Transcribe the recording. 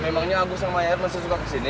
memangnya agus sama air masih suka kesini